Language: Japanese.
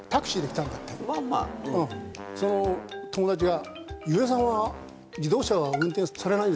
その友達が。